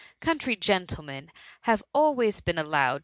Country gentlemen have always been allowed THX MUMMY.